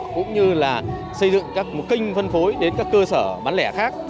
cũng như là xây dựng các kênh phân phối đến các cơ sở bán lẻ khác